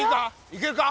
いけるか？